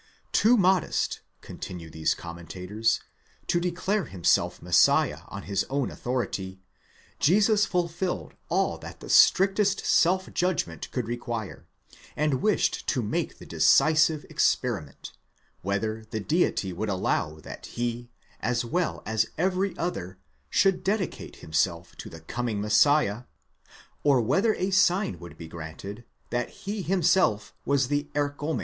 —Too modest, continue these commentators, to declare himself Messiah on his own authority, Jesus fulfilled all that the strictest self judgment could require, and wished to make the decisive experi ment, whether the Deity would allow that he, as well as every other, should dedicate himself to the coming Messiah, or whether a sign wou d be granted, that he himself was the ἐρχόμενος.